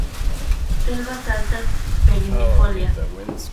Selvas altas perennifolias.